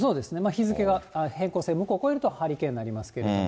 日付が変更線向こう越えるとハリケーンになりますけれども。